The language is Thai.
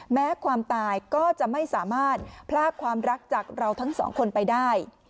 แม้ความตายก็จะไม่สามารถพลากความรักจากเราทั้งสองคนไปได้